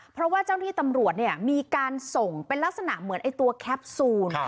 เพราะว่าเจ้าหน้าที่ตำรวจเนี่ยมีการส่งเป็นลักษณะเหมือนไอ้ตัวแคปซูล